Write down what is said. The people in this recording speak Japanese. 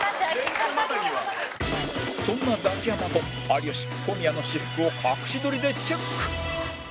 そんなザキヤマと有吉小宮の私服を隠し撮りでチェック